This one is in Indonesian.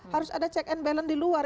harus ada check and balance di luar